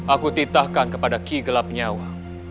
aku titahkan kepada ki gelap nyawa